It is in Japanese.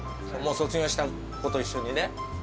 卒業した子と一緒にね。